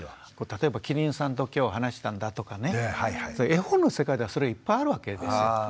例えば「キリンさんと今日話したんだ」とかね絵本の世界ではそれいっぱいあるわけですよ。